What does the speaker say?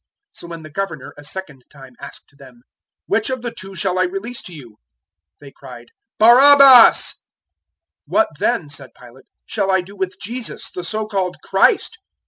027:021 So when the Governor a second time asked them, "Which of the two shall I release to you?" they cried, "Barabbas!" 027:022 "What then," said Pilate, "shall I do with Jesus, the so called Christ?"